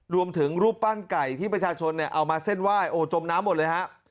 รวมถึงรูปปั้นไก่ที่ประชาชนเอามาเส้นไหว้โจมน้ำหมดเลย